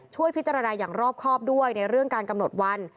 ช่วยพิจารณาอย่างรอบครอบด้วยในเรื่องการกำหนดวัน